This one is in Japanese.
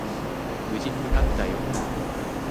無事受かったよ。